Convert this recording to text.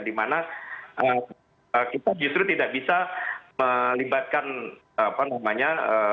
dimana kita justru tidak bisa melibatkan apa namanya